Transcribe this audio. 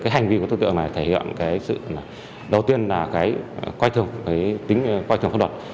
hành vi của đối tượng này thể hiện đầu tiên là coi thường pháp luật